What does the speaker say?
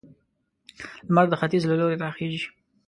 لمر د ختيځ له لوري راخيژي